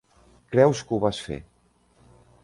Creus que ho vas fer.